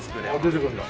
出てくるんだ。